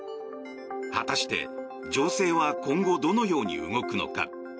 果たして、情勢は今後、どのように動くのか。